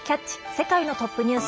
世界のトップニュース」。